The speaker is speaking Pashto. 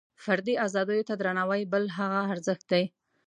فردي ازادیو ته درناوۍ بل هغه ارزښت دی.